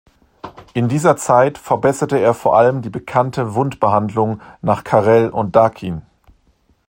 In dieser Zeit verbesserte er vor allem die bekannte Wundbehandlung nach Carrel und Dakin.